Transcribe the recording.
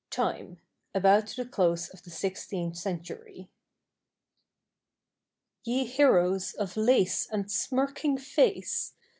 Time —about the close of the sixteenth century.) Ye heroes of lace and smirking face.